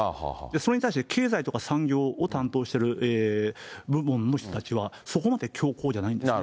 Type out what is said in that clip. それに対して経済とか産業を担当している部門の人たちはそこまで強硬じゃないんですね。